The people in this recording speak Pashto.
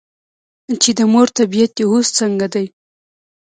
چې " د مور طبیعیت دې اوس څنګه دے ؟" ـ